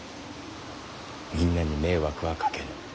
みんなに迷惑はかけぬ。